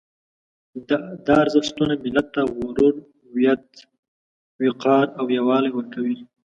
دا ارزښتونه ملت ته غرور، هویت، وقار او یووالی ورکوي.